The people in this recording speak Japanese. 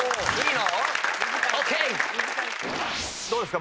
どうですか？